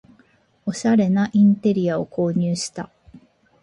おしゃれなインテリアを購入した